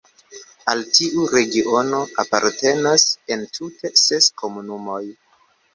Al tiu regiono apartenas entute ses komunumoj.